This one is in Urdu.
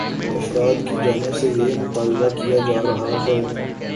افراد کی جانب سے یہ مطالبہ کیا جا رہا ہے